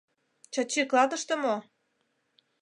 — Чачи клатыште мо?